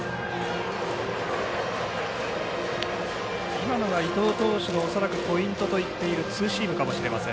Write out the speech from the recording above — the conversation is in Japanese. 今のが伊藤投手のポイントと言っていいツーシームかもしれません